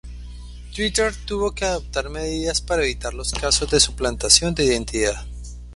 Twitter tuvo que adoptar medidas para evitar los casos de suplantación de identidad.